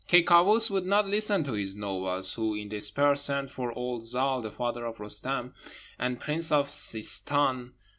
Ky Kâoos would not listen to his nobles, who in despair sent for old Zâl, the father of Roostem, and prince of Seestan.